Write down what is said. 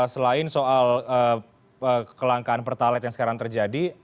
selain soal kelangkaan pertalet yang sekarang terjadi